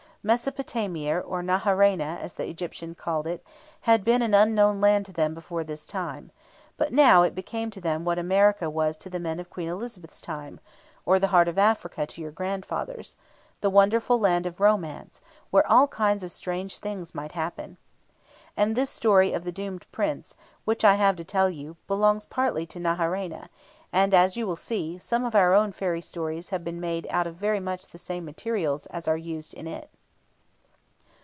Mesopotamia, or Naharaina, as the Egyptians called it, had been an unknown land to them before this time; but now it became to them what America was to the men of Queen Elizabeth's time, or the heart of Africa to your grandfathers the wonderful land of romance, where all kinds of strange things might happen. And this story of the Doomed Prince, which I have to tell you, belongs partly to Naharaina, and, as you will see, some of our own fairy stories have been made out of very much the same materials as are used in it.